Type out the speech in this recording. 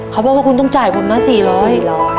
เขาบอกว่าคุณต้องจ่ายผมนะสี่ร้อย